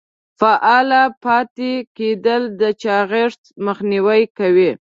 فعال پاتې کیدل د چاغښت مخنیوی کوي.